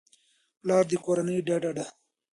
پلار د کورنۍ ډډه ده.